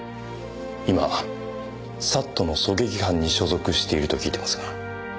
今ＳＡＴの狙撃班に所属していると聞いていますが。